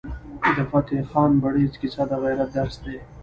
د فتح خان بړیڅ کیسه د غیرت درس دی.